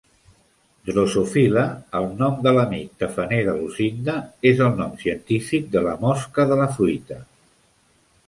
Drosophila, el nom de "l'amic" tafaner de Lucinda, és el nom científic de la mosca de la fruita.